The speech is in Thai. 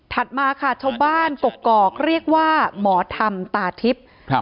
ถัดมาค่ะชาวบ้านกรกกรอกเรียกว่าหมอธรรมตาทิพย์